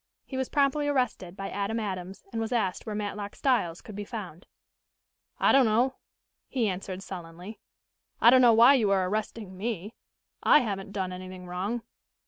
He was promptly arrested by Adam Adams and was asked where Matlock Styles could be found. "I don't know," he answered sullenly. "I don't know why you are arresting me. I haven't done anything wrong."